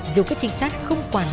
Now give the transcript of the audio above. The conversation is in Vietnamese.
dù các trinh sát không quản